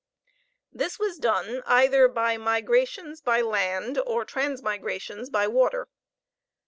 This was done either by migrations by land or transmigrations by water.